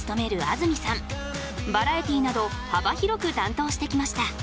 バラエティーなど幅広く担当してきました。